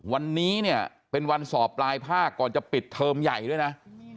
วันนี้เนี่ยเป็นวันสอบปลายภาคก่อนจะปิดเทอมใหญ่ด้วยนะ